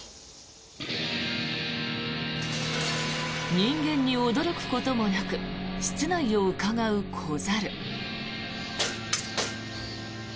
人間に驚くこともなく室内をうかがう子猿。